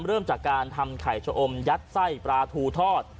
เริ่มจากการทำไข่ชะอมยัดไส้ปลาทูทอด